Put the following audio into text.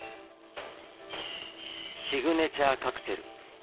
シグネチャーカクテル。